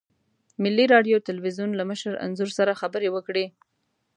ملي راډیو تلویزیون له مشر انځور سره خبرې وکړې.